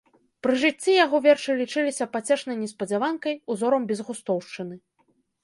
Пры жыцці яго вершы лічыліся пацешнай неспадзяванкай, узорам безгустоўшчыны.